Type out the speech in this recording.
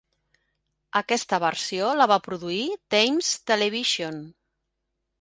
Aquesta versió la va produir Thames Television.